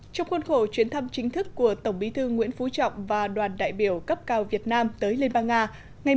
trong khuôn khổ chuyến thăm chính thức của tổng bí thư nguyễn phú trọng và đoàn đại biểu cấp cao việt nam tới liên bang nga